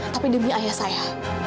tapi demi ayah saya